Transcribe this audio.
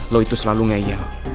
lo itu selalu ngeyel